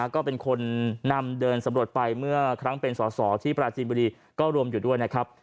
ก็เป็นคนนำเดินสำรวจไปเมื่อครั้งเป็นสอสอที่ปราจีนบุรีก็รวมอยู่ด้วยนะครับ